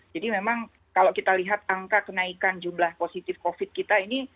jadi memang kalau kita lihat angka kenaikan jumlah positif covid sembilan belas kita ini